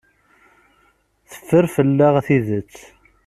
Teffer fell-aɣ tidet.